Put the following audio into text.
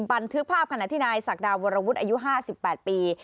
บันทึกภาพขณะที่นายศักดาวรวุฒิอายุ๕๘ปี